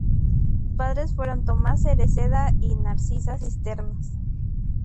Sus padres fueron Tomás Cereceda y Narcisa Cisternas.